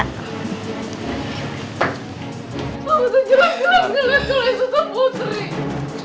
aku tuh jelas jelas gak ngeliat soalnya sudah putri